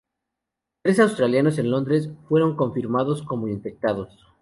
Tres australianos en Londres fueron confirmados como infectados.